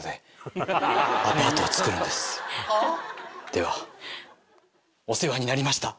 ではお世話になりました。